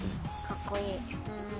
かっこいい。